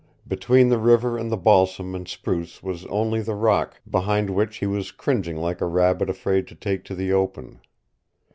Between the river and the balsam and spruce was only the rock behind which he was cringing like a rabbit afraid to take to the open.